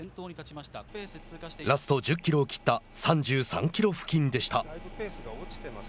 ラスト１０キロを切った３３キロ付近でした。